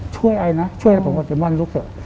ช่วยไอนะช่วยเหละละผมว่าเม้อนหลุขเถอะ